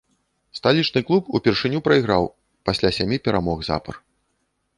Сталічны клуб упершыню прайграў пасля сямі перамог запар.